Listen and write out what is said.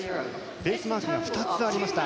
ベースマークが２つありました。